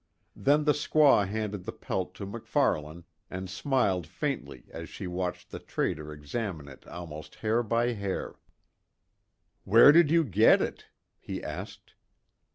Then the squaw handed the pelt to MacFarlane and smiled faintly as she watched the trader examine it almost hair by hair. "Where did you get it?" he asked.